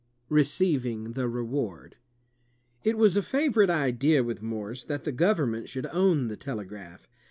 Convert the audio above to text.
'' Receiving the Reward It was a favorite idea with Morse that the government should own the telegraph.